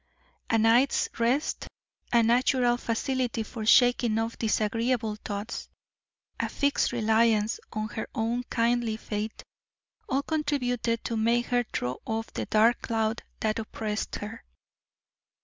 A night's rest, a natural facility for shaking off disagreeable thoughts, a fixed reliance on her own kindly fate, all contributed to make her throw off the dark cloud that oppressed her.